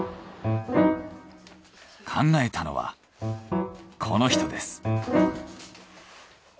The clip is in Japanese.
考えたのはこの人です。